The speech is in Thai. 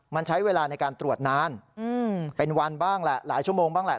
มันใช้เวลาในการตรวจนานเป็นวันบ้างแหละหลายชั่วโมงบ้างแหละ